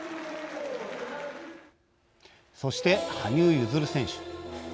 そして、羽生結弦選手。